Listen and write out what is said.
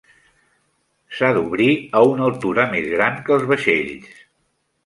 S'ha d'obrir a una altura més gran que els vaixells.